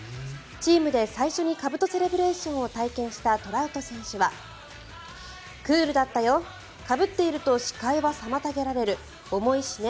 チームで最初にかぶとセレブレーションを体験したトラウト選手はクールだったよかぶっていると視界は妨げられる重いしね。